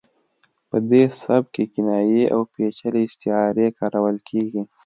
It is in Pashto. په دې سبک کې کنایې او پیچلې استعارې کارول کیږي